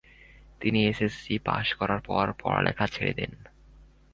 তিনি SSC pass করার পর পড়ালেখা ছেড়ে দেন।